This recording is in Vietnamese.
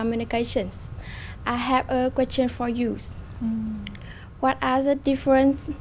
nhưng tôi nghĩ có những lợi ích khác